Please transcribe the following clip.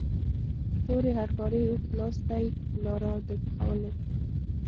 تورې هرکارې اوږد لاستی لاره د پخولو.